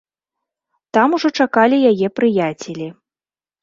Там ужо чакалі яе прыяцелі.